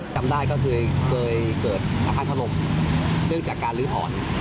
จำได้ก็คือเกิดอฆาตธรพเพื่องจากการลื้อหอด